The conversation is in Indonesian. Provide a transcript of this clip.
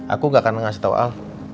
aku gak akan ngasih tau ah